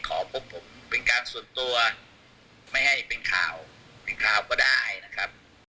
ขอพบผมเป็นการส่วนตัวไม่ให้เป็นข่าวเป็นข่าวก็ได้นะครับ